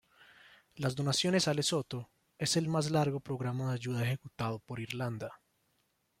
Las donaciones a Lesoto es el más largo programa de ayuda ejecutado por Irlanda.